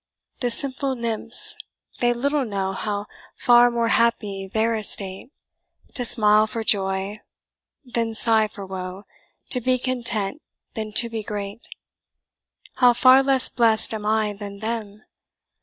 "The simple nymphs! they little know How far more happy's their estate; To smile for joy, than sigh for woe To be content, than to be great. "How far less blest am I than them?